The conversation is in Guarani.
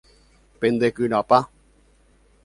Pendekyrapa.